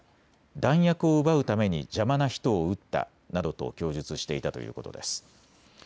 弾薬を奪うために邪魔な人を撃ったなどと供述していたということです。